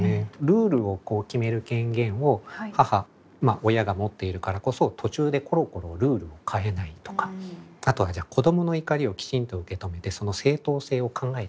ルールを決める権限を母まあ親が持っているからこそ途中でころころルールを変えないとかあとは子供の怒りをきちんと受け止めてその正当性を考えてみようとか。